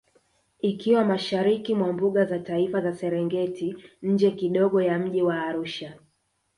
Ikiwa Mashariki mwa Mbuga za Taifa za Serengeti nje kidogo ya mji wa Arusha